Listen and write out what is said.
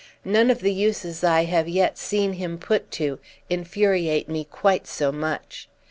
None of the uses I have yet seen him put to infuriate me quite so much.